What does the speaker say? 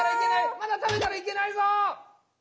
まだたべたらいけないぞ！